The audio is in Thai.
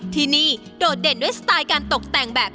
ที่นี่โดดเด่นด้วยสไตล์การตกแต่งแบบ